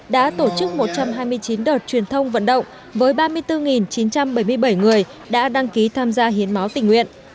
đã tổ chức một trăm hai mươi chín đợt truyền thông vận động với ba mươi bốn chín trăm bảy mươi bảy người đã đăng ký tham gia hiến máu tình nguyện